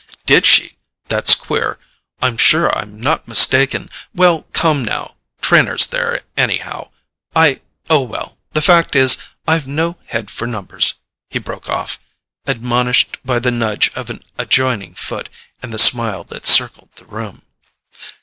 "Did she? That's queer. I'm sure I'm not mistaken. Well, come now, Trenor's there, anyhow—I—oh, well—the fact is, I've no head for numbers," he broke off, admonished by the nudge of an adjoining foot, and the smile that circled the room.